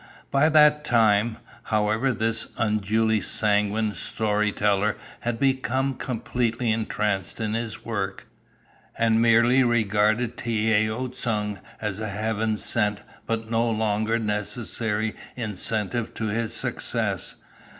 By that time, however, this unduly sanguine story teller had become completely entranced in his work, and merely regarded Tiao Ts'un as a Heaven sent but no longer necessary incentive to his success.